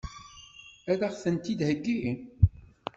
Ad ɣ-ten-id-theggi?